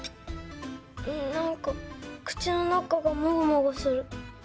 んなんかくちのなかがモゴモゴする。